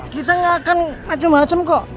kita nggak akan macem macem kok